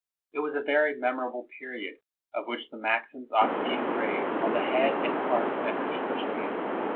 It was a very mem orable period, of which the maxims ought to be engraved on the head and heart of every Englishman.